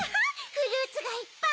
フルーツがいっぱい！